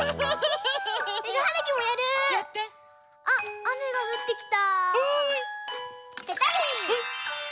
うん？あっあめがふってきた。